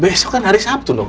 besok kan hari sabtu dong